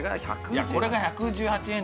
これが１１８円